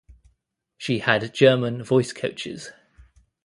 She had German voice coaches.